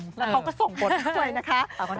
เขาก็ส่งบทเลยนะคะ